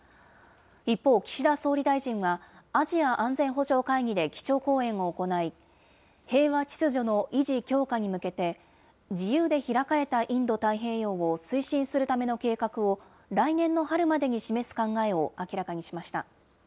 一方、岸田総理大臣は、アジア安全保障会議で基調講演を行い、平和秩序の維持・強化に向けて、自由で開かれたインド太平洋を推進するための計画を、来年の春までに示す考えを明らかにしました。